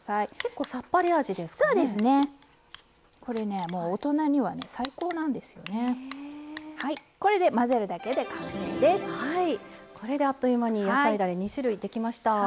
これであっという間に野菜だれ２種類できました。